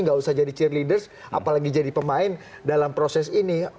tidak usah jadi cheerleaders apalagi jadi pemain dalam proses ini